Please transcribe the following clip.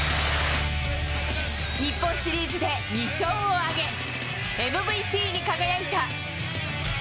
日本シリーズで２勝を挙げ、ＭＶＰに輝いた。